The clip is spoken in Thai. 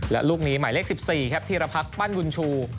แล้วลูกนี้มายเลข๑๔ครับที่รภักดิ์ปั้นกินชู